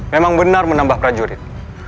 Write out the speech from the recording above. memang benar menambah prajurit